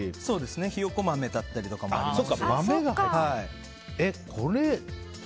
ヒヨコ豆だったりとかもありますし。